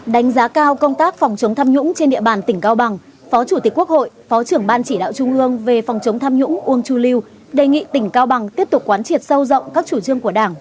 đánh giá cao công tác phòng chống tham nhũng trên địa bàn tỉnh cao bằng phó chủ tịch quốc hội phó trưởng ban chỉ đạo trung ương về phòng chống tham nhũng uông chu lưu đề nghị tỉnh cao bằng tiếp tục quán triệt sâu rộng các chủ trương của đảng